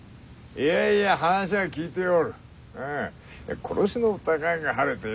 いやいや話は聞いておる。